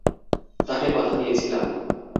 তাকে কথা দিয়েছিলাম।